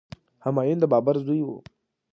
همایون د بابر زوی و.